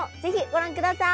ご覧ください。